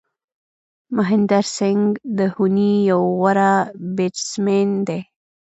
مهندر سنگھ دهوني یو غوره بېټسمېن دئ.